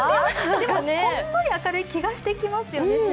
ほんのり明るい気がしてきますよね。